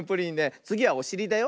つぎはおしりだよ。